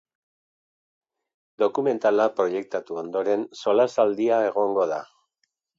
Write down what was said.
Dokumentala proiektatu ondoren solasaldia egongo da.